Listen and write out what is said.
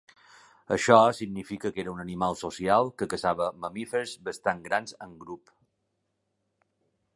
Això significa que era un animal social que caçava mamífers bastant grans en grup.